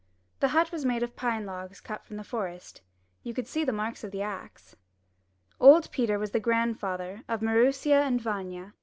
The hut was made of pine logs cut from the forest. You could see the marks of the axe. Old Peter was the grandfather of Maroosia and Vanya.